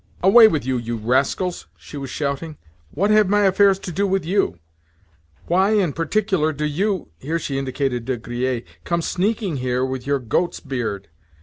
"Away with you, you rascals!" she was shouting. "What have my affairs to do with you? Why, in particular, do you"—here she indicated De Griers—"come sneaking here with your goat's beard?